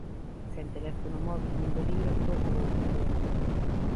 Sen teléfono móbil nin bolígrafo ou ordenador.